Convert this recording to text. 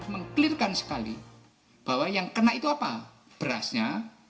meng clearkan sekali bahwa yang kena itu apa berasnya